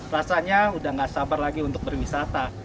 rasanya udah gak sabar lagi untuk berwisata